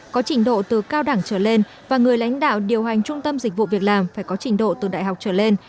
có trình độ từ cao đẳng trở lên và người lãnh đạo điều hành trung tâm dịch vụ việc làm phải có trình độ từ đại học trở lên